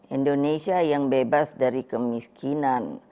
indonesia yang bebas dari kemiskinan